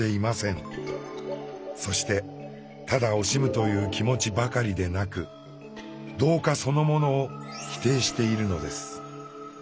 そしてただ惜しむという気持ちばかりでなく「同化」そのものを否定しているのです。